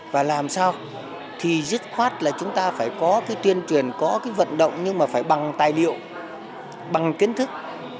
và làm sao thì dứt khoát là chúng ta phải có cái tuyên truyền có cái vận động nhưng mà phải bằng tài liệu bằng kiến thức